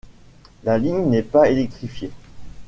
La ligne n'est pas électrifiée.